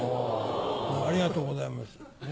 ありがとうございます。